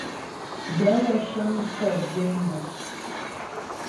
Gaə̂ wə́ cə́ŋ tsə́ byə̌pnƴə́ hə́ ?